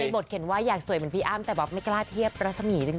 บทเขียนว่าอยากสวยเหมือนพี่อ้ำแต่แบบไม่กล้าเทียบรัศมีร์จริง